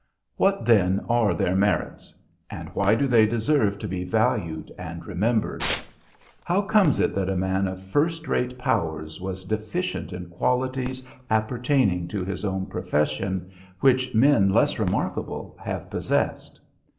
What, then, are their merits? and why do they deserve to be valued and remembered? How comes it that a man of first rate powers was deficient in qualities appertaining to his own profession which men less remarkable have possessed?